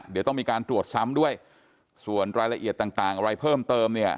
เดี๋ยวต้องมีการตรวจซ้ำด้วยส่วนรายละเอียดต่างต่างอะไรเพิ่มเติมเนี่ย